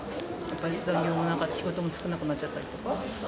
残業も、仕事も少なくなっちゃったりとか。